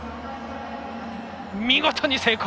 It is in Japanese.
見事に成功！